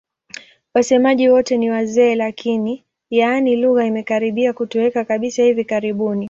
Wasemaji wote ni wazee lakini, yaani lugha imekaribia kutoweka kabisa hivi karibuni.